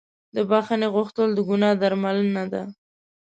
د بښنې غوښتل د ګناه درملنه ده.